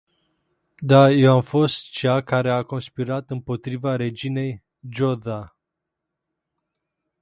Da, eu am fost cea care a conspirat impotriva reginei Jodha!